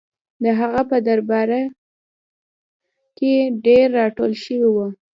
د هغه په درباره کې ډېر راټول شوي وو.